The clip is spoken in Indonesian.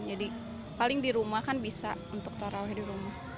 jadi paling di rumah kan bisa untuk tarawih di rumah